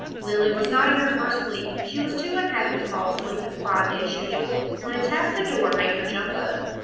Lilly was not in her first sleep she was too unhappy to fall asleep as quietly as usual when a tap at the door made her jump up.